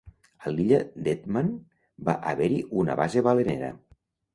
A l'illa Deadman va haver-hi una base balenera.